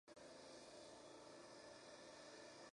Colección Grandes Genios del Arte de la Comunitat Valenciana.